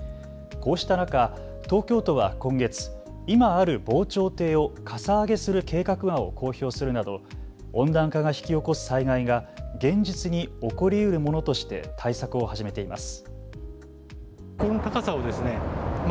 こうした中、東京都は今月、今ある防潮堤をかさ上げする計画案を公表するなど温暖化が引き起こす災害が現実に起こりうるものとして対策を始めています。